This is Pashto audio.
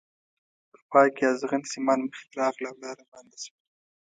په پای کې ازغن سیمان مخې ته راغله او لاره بنده شوه.